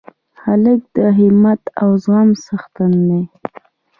هلک د همت او زغم څښتن دی.